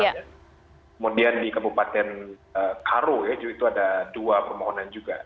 kemudian di kabupaten karo ya itu ada dua permohonan juga